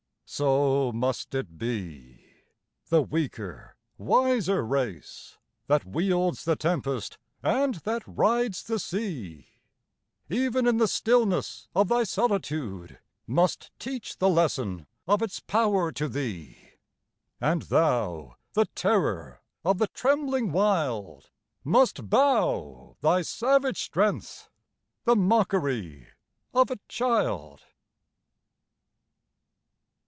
So must it be; the weaker, wiser race, That wields the tempest and that rides the sea, Even in the stillness of thy solitude Must teach the lesson of its power to thee; And thou, the terror of the trembling wild, Must bow thy savage strength, the mockery of a child!